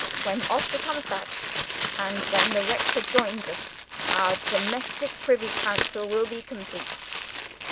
When Oscar comes back, and when the rector joins us, our domestic privy council will be complete."